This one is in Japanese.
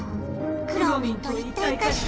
くろミンと一体かしている。